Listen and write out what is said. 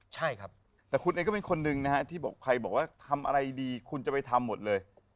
ถ้าใครบอกว่าทำอะไรดีคุณก็จะทำไว้